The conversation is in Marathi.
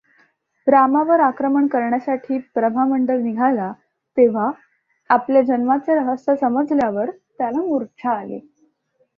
रामावर आक्रमण करण्यासाठी प्रभामंडल निघाला त्यावेळी आपल्या जन्माचे रहस्य समजल्यावर त्याला मूर्च्छा आली.